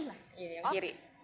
iya yang kiri